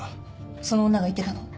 その女が言ってたの。